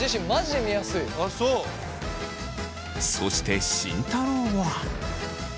そして慎太郎は。